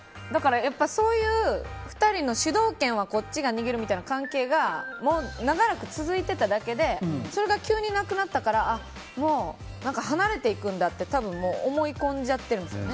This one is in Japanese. ２人の主導権はこっちが握るみたいな関係がもう長らく続いてただけでそれが急になくなったからもう離れていくんだって多分思い込んじゃってるんですよね。